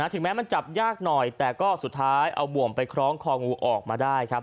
ถึงแม้มันจับยากหน่อยแต่ก็สุดท้ายเอาบ่วมไปคล้องคองูออกมาได้ครับ